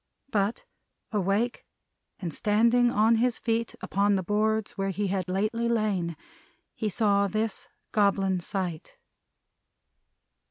But, awake, and standing on his feet upon the boards where he had lately lain, he saw this Goblin Sight.